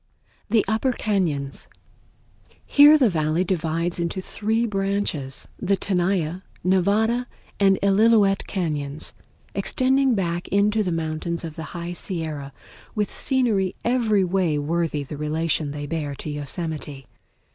The Upper Cañons Here the Valley divides into three branches, the Tenaya, Nevada, and Illilouette Cañons, extending back into the fountains of the High Sierra, with scenery every way worthy the relation they bear to Yosemite.